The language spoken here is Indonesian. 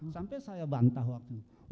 sampai saya bantah waktu itu